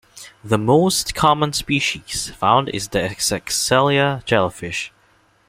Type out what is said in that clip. The most common species found is the "Essexella" jellyfish.